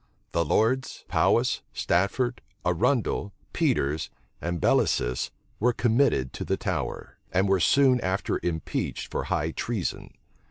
The lords Powis, Stafford, Arundel, Peters, and Bellasis were committed to the Tower, and were soon after impeached for high treason.